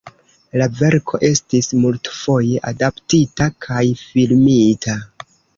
La verko estis multfoje adaptita kaj filmita.